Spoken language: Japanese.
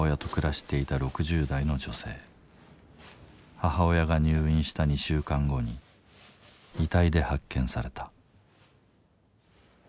母親が入院した２週間後に遺体で発見された。